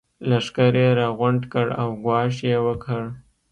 لښکر يې راغونډ کړ او ګواښ يې وکړ.